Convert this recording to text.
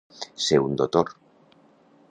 Ser un dotor.